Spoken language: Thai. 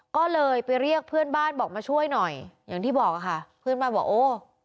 ก็เลยไปเรียกเพื่อนบ้านบอกมาช่วยหน่อยอย่างที่บอกค่ะเพื่อนบ้านบอกโอ้